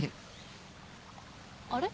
あれ？